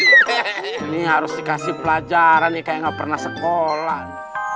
ini harus dikasih pelajaran nih kayak nggak pernah sekolah